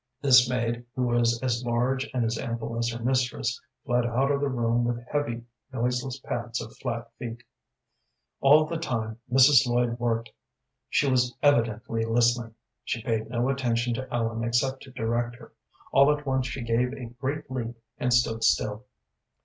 This maid, who was as large and as ample as her mistress, fled out of the room with heavy, noiseless pads of flat feet. All the time Mrs. Lloyd worked she was evidently listening. She paid no attention to Ellen except to direct her. All at once she gave a great leap and stood still.